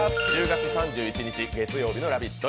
１０月３１日月曜日の「ラヴィット！」